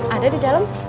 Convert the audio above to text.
ada di dalam